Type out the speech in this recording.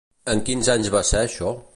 En quins anys va ser això?